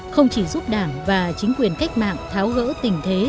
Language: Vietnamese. không chỉ giúp đảng và chính quyền cách mạng tháo gỡ tình thế